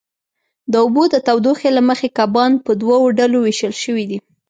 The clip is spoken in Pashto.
د اوبو د تودوخې له مخې کبان په دوو ډلو وېشل شوي دي.